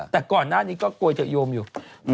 แต่ก่อนหน้านี้ก็ร่วมอยู่